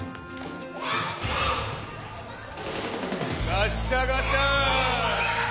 ガッシャガシャン！